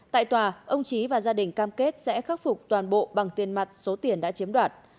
tại tòa ông trí và gia đình cam kết sẽ khắc phục toàn bộ bằng tiền mặt số tiền đã chiếm đoạt